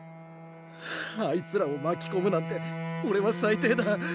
あいつらを巻きこむなんておれは最低だ。